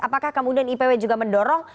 apakah kemudian ipw juga mendorong